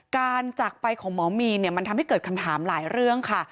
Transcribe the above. จากไปของหมอมีนเนี่ยมันทำให้เกิดคำถามหลายเรื่องค่ะ